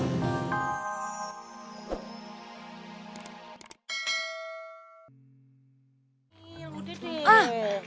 ya udah deh